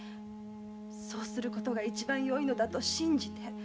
そうする事が一番よいのだ」と信じ。